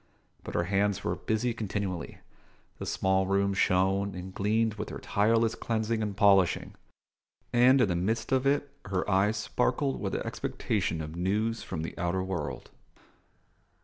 But her hands were busy continually; the small room shone and gleamed with her tireless cleansing and polishing; and in the midst of it her eyes sparkled with expectation of news from the outer world.